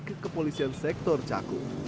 ke kepolisian sektor cakur